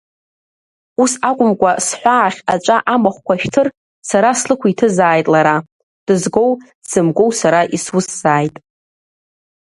Ус акәымкәа сҳәаахь аҵәа амахәқәа шәҭыр, сара слықәиҭызааит лара, дызгоу, дзымгоу сара исусзааит.